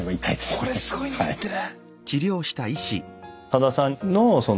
これすごいんですってね。